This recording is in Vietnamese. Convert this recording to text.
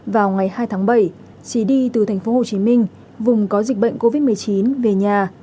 vào ngày hai tháng bảy trí đi từ thành phố hồ chí minh vùng có dịch bệnh covid một mươi chín về nhà